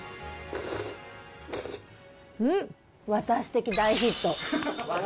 うん、私的大ヒット。